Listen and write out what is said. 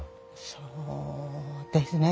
そうですね。